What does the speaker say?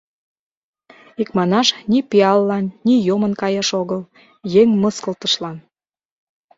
Икманаш, ни пиаллан, ни йомын каяш огыл — еҥ мыскылтышлан...